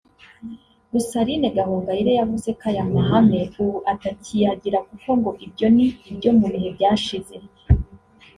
Gusa Aline Gahongayire yavuze ko aya mahane ubu atakiyagira kuko ngo ibyo ni ibyo mu bihe byashize